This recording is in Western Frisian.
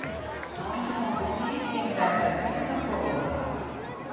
Sneintemoarn betiid geane wy foar in wike nei Poalen ta.